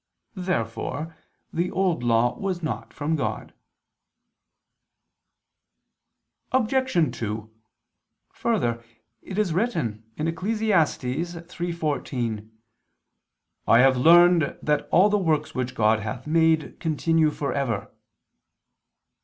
Therefore the Old Law was not from God. Obj. 2: Further, it is written (Eccles. 3:14): "I have learned that all the works which God hath made continue for ever."